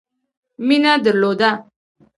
مینه درلوده.